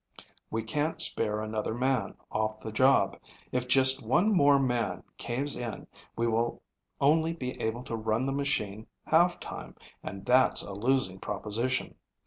"We can't spare another man off the job. If just one more man caves in we will only be able to run the machine half time, and that's a losing proposition.